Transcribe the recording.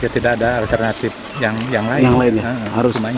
tidak ada alternatif yang lain